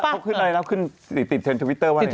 เขาขึ้นไลน์แล้วติดเซนทวิเตอร์ว่าอะไร